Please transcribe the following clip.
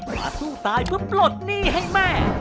มาสู้ตายเพื่อปลดหนี้ให้แม่